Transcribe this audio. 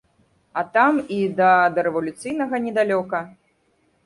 А там і да дарэвалюцыйнага недалёка!